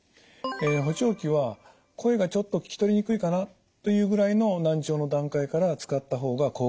補聴器は声がちょっと聞き取りにくいかなというぐらいの難聴の段階から使った方が効果的です。